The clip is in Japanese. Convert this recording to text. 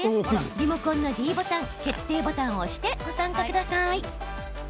リモコンのｄボタン決定ボタンを押してご参加ください。